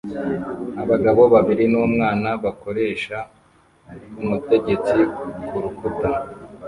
Abagabo babiri n'umwana bakoresha umutegetsi kurukuta